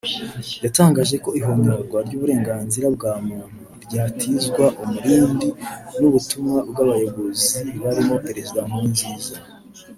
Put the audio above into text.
yatangaje ko ihonyorwa ry’uburengaznira bwa muntu ryatizwaga umurindi n’ubutumwa bw’abayobozi barimo Perezida Nkurunziza